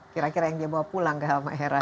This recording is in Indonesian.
kira kira yang dia bawa pulang gak sama heran